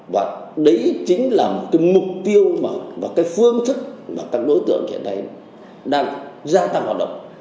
và đấy chính là một cái mục tiêu và cái phương thức mà các đối tượng hiện nay đang gia tăng hoạt động